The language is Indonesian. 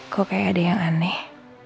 kok kayak ada yang aneh